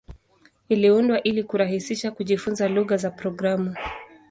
Iliundwa ili kurahisisha kujifunza lugha za programu.